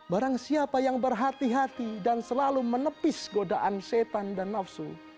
barang siapa yang berhati hati dan selalu menepis godaan setan dan nafsu